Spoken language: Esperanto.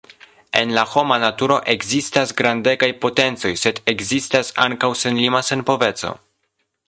En la homa naturo ekzistas grandegaj potencoj, sed ekzistas ankaŭ senlima senpoveco.